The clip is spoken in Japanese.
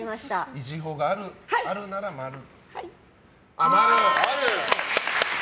維持法があるなら○で。